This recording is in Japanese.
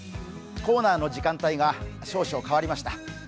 コーナーの時間帯が少々変わりました。